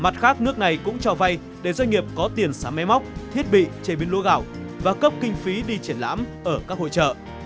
mặt khác nước này cũng cho vay để doanh nghiệp có tiền sắm máy móc thiết bị chế biến lúa gạo và cấp kinh phí đi triển lãm ở các hội trợ